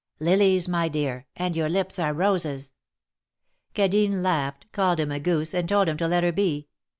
"Lilies, my dear, and your lips are roses." Cadine laughed, called him a goose, and told him to let her be.